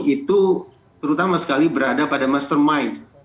itu terutama sekali berada pada mastermind